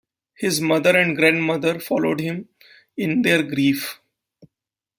His mother and grandmother followed him in their grief.